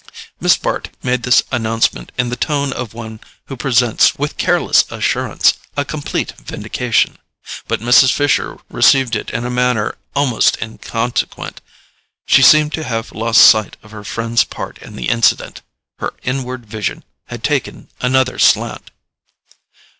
Miss Bart made this announcement in the tone of one who presents, with careless assurance, a complete vindication; but Mrs. Fisher received it in a manner almost inconsequent. She seemed to have lost sight of her friend's part in the incident: her inward vision had taken another slant.